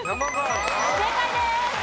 正解です。